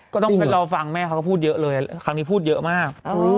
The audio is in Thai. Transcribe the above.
ก็ต้องรอฟังแม่เขาก็พูดเยอะเลยครั้งนี้พูดเยอะมาก